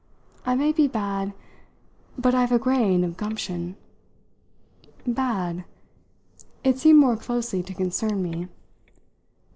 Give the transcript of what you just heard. I may be bad, but I've a grain of gumption." "'Bad'?" It seemed more closely to concern me.